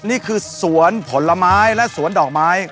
นี่คือสวนผลไม้และสวนดอกไม้